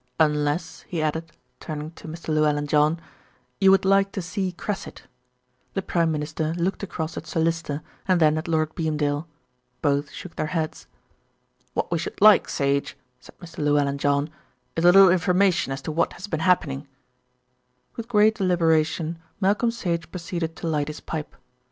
"Unless," he added, turning to Mr. Llewellyn John, "you would like to see Cressit." The Prime Minister looked across at Sir Lyster and then at Lord Beamdale. Both shook their heads. "What we should like, Sage," said Mr. Llewellyn John, "is a little information as to what has been happening." With great deliberation Malcolm Sage proceeded to light his pipe.